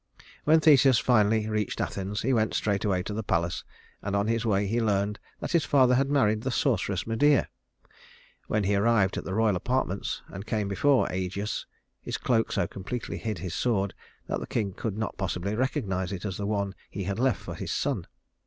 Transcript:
When Theseus finally reached Athens, he went straightway to the palace, and on his way he learned that his father had married the sorceress Medea. When he arrived at the royal apartments and came before Ægeus, his cloak so completely hid his sword that the king could not possibly recognize it as the one he had left for his son.